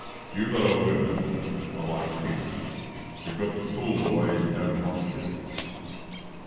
You that are women are like pigs we've got to pull the way we don't want you."